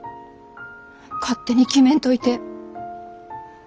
勝手に決めんといて。